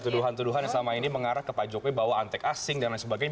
tuduhan tuduhan yang selama ini mengarah ke pak jokowi bahwa antek asing dan lain sebagainya